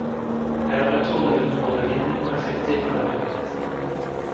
Elle retourne le nombre de lignes affectées par la requête.